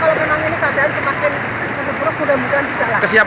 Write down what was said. kalau menggunakan sudah selalu siap